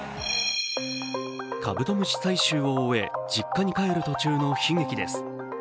カブトムシ採集を終え実家に帰る途中の悲劇です。